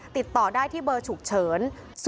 ติดต่อได้ที่เบอร์ฉุกเฉิน๐๑๐๖๗๔๗๐๐๙๕